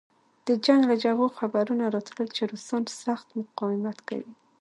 د جنګ له جبهو خبرونه راتلل چې روسان سخت مقاومت کوي